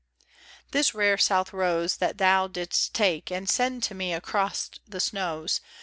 THIS rare south rose that thou didst take And send to me across the snows.